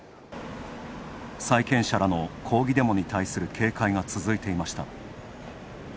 債権者らの抗議デモに対する警戒が続いていました。